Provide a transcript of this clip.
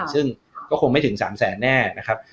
ซึ่งก็คงไม่ถึง๓แสนแน่นะครับ